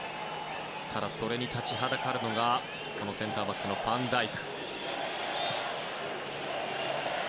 ただ、それに立ちはだかるのがオランダ、センターバックのファンダイク。